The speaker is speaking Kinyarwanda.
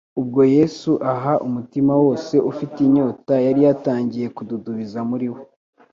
ubwo Yesu aha umutima wose ufite inyota, yari yatangiye kududubiza muri we.